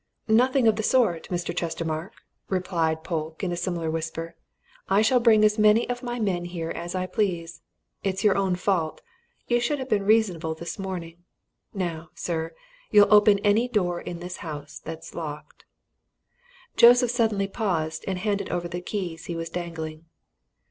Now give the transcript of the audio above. "Nothing of the sort, Mr. Chestermarke!" replied Polke, in a similar whisper, "I shall bring as many of my men here as I please. It's your own fault you should have been reasonable this morning. Now, sir, you'll open any door in this house that's locked." Joseph suddenly paused and handed over the keys he was dangling.